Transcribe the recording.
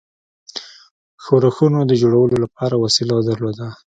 ښورښونو د جوړولو لپاره وسیله درلوده.